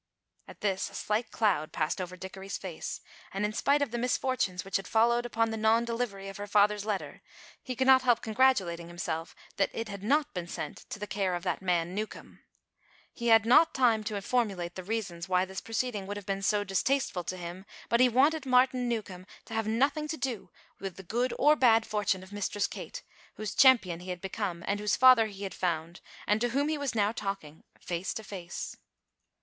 At this a slight cloud passed over Dickory's face, and, in spite of the misfortunes which had followed upon the non delivery of her father's letter, he could not help congratulating himself that it had not been sent to the care of that man Newcombe. He had not had time to formulate the reasons why this proceeding would have been so distasteful to him, but he wanted Martin Newcombe to have nothing to do with the good or bad fortune of Mistress Kate, whose champion he had become and whose father he had found, and to whom he was now talking, face to face.